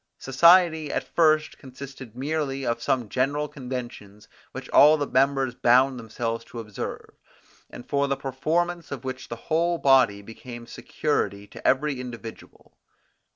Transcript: Society at first consisted merely of some general conventions which all the members bound themselves to observe, and for the performance of which the whole body became security to every individual.